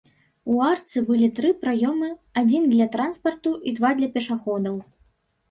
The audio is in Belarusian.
У арцы былі тры праёмы, адзін для транспарту і два для пешаходаў.